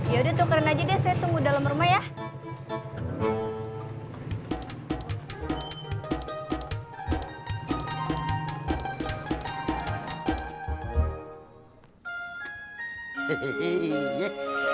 ya udah tukeran aja deh saya tunggu dalam rumah ya